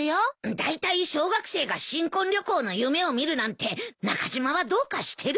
だいたい小学生が新婚旅行の夢を見るなんて中島はどうかしてるよ。